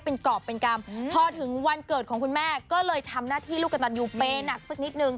เป็นกรอบเป็นกรรมพอถึงวันเกิดของคุณแม่ก็เลยทำหน้าที่ลูกกระตันยูเปหนักสักนิดนึง